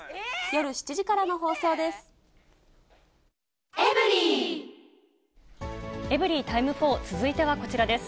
夜７時からの放送です。